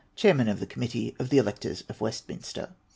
Cliairman of the Committee of the Electors of Westminster.